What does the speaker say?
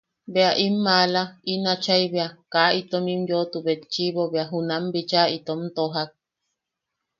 Bea in maala, in achai bea, kaa in yuutu betchiʼibo bea junam bicha itom tojak.